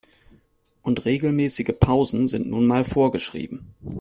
Und regelmäßige Pausen sind nun mal vorgeschrieben.